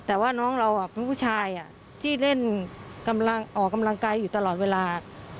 แต่ว่าน้องเราอ่ะผู้ชายอ่ะที่เล่นออกกำลังกายอยู่ตลอดเวลา